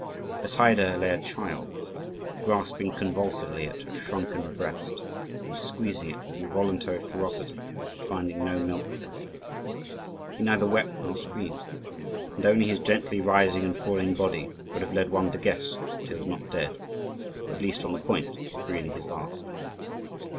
Beside her lay a child, grasping convulsively at her shrunken breast, and squeezing it with involuntary ferocity at finding no milk there. He neither wept nor screamed, and only his gently rising and falling body would have led one to guess that he was not dead, or at least on the point of breathing his last.